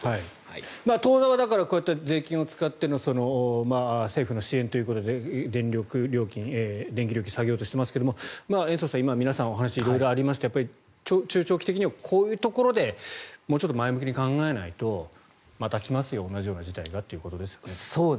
当座はこうやって税金を使っての政府の支援ということで電気料金下げようとしてますが延増さん、今皆さんからお話がありましたがやっぱり中長期的にはこういうところでもうちょっと前向きに考えないとまた来ますよ、同じような事態がということですよね。